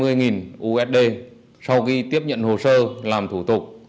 với hai mươi usd sau khi tiếp nhận hồ sơ làm thủ tục